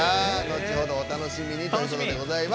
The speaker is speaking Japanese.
後ほど、お楽しみに。